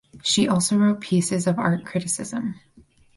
She also wrote pieces of art criticism.